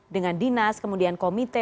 dengan dinas kemudian komite